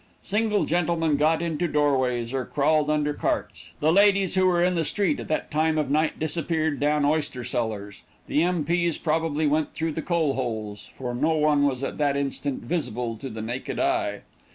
Single gentlemen got into door ways, or crawled under carts; the ladies who were in the street at that time of night disappeared down oyster cellars; the M.P.s probably went through the coal holes, for not one was at that instant "visible to the naked eye."